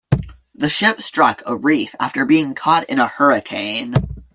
The ship struck a reef after being caught in a hurricane.